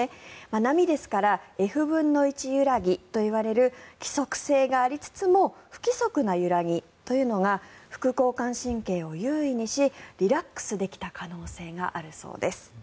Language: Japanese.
波ですからｆ分の１ゆらぎといわれる規則性がありつつも不規則な揺らぎというのが副交感神経を優位にしリラックスできた可能性があるそうです。